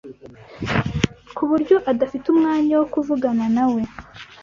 ku buryo adafite umwanya wo kuvugana na we